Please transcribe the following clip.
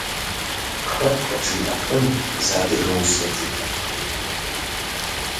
Хэт къыджиӏэфын зы адыгэ усэ цӏыкӏу?